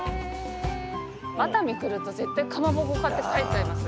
熱海来ると絶対かまぼこ買って帰っちゃいます。